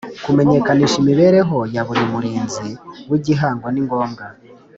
Kumenyekanisha imibereho ya buri Murinzi w Igihango ningombwa.